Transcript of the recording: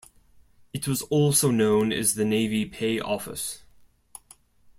It was also known as the Navy Pay Office.